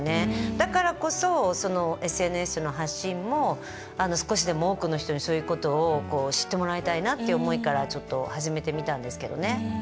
だからこそＳＮＳの発信も少しでも多くの人にそういうことを知ってもらいたいなという思いから始めてみたんですけどね。